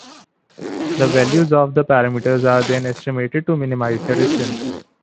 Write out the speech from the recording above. The values of the parameters are then estimated to minimize this distance.